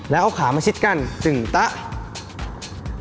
แล้วเอาขามัจชิดกันขึ้นซัก